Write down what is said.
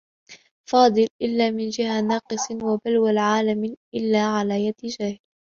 فَاضِلٍ إلَّا مِنْ جِهَةِ نَاقِصٍ ، وَبَلْوَى عَالِمٍ إلَّا عَلَى يَدِ جَاهِلٍ